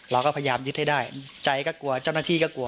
เราก็พยายามยึดให้ได้ใจก็กลัวเจ้าหน้าที่ก็กลัว